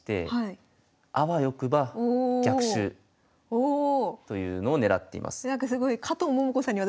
おお！というのをねらっています。